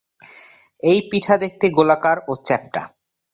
এই পিঠা দেখতে গোলাকার ও চ্যাপ্টা।